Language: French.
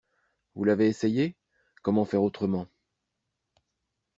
Vous l’avez essayé? Comment faire autrement.